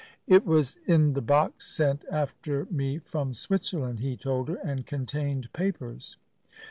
"It was in the box sent after me from Switzerland," he told her, "and contained papers."